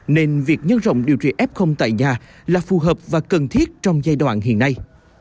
nên việc nhân rộng điều trị f tại nhà là phù hợp và cần thiết trong giai đoạn hiện nay